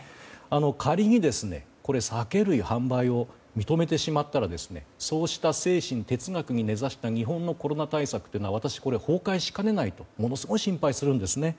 仮に酒類販売を認めてしまったらそうした精神、哲学に根差した日本のコロナ対策というのが私、これは崩壊しかねないとものすごく心配するんですね。